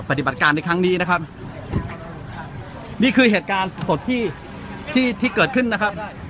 ปฏิบัติการในครั้งนี้นะครับนี่คือเหตุการณ์สดที่ที่ที่เกิดขึ้นนะครับ